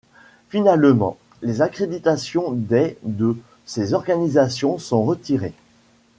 Finalement, les accréditations des de ces organisations sont retirées.